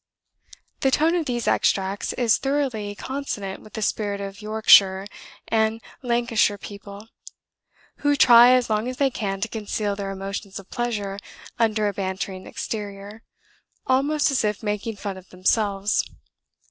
The tone of these extracts is thoroughly consonant with the spirit of Yorkshire and Lancashire people, who try as long as they can to conceal their emotions of pleasure under a bantering exterior, almost as if making fun of themselves.